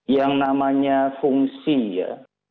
yang namanya fungsi ya